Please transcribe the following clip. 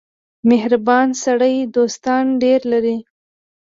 • مهربان سړی دوستان ډېر لري.